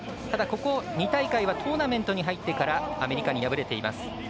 ただ、ここ２大会はトーナメントに入ってからアメリカに敗れています。